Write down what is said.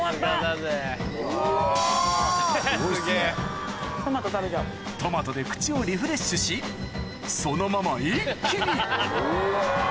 ・うわ・・すごいっすね・トマトで口をリフレッシュしそのまま一気に・うわ！